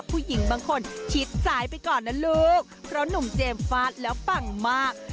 ผู้หญิงบางคนชิดซ้ายไปก่อนนะลูกเพราะหนุ่มเจมส์ฟาดแล้วปังมาก